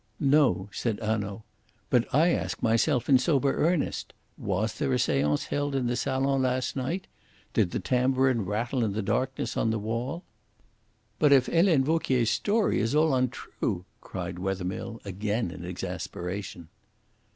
"No," said Hanaud. "But I ask myself in sober earnest, 'Was there a seance held in the salon last night?' Did the tambourine rattle in the darkness on the wall?" "But if Helene Vauquier's story is all untrue?" cried Wethermill, again in exasperation.